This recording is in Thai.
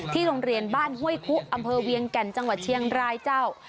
โรงเรียนบ้านห้วยคุอำเภอเวียงแก่นจังหวัดเชียงรายเจ้า